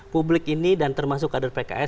publik ini dan termasuk kader pks